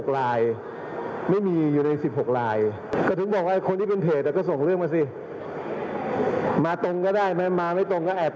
๑๑๖รายไม่มียูโดย๑๖รายก็ถึงบอกว่าคนที่เป็นเผตอ่ะก็ส่งเรื่องมาสิมาตรงก็ได้มาไม่ตรงก็แอบ